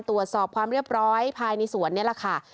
ตรวจสอบความเรียบร้อยภายในสวนนี่แหละค่ะ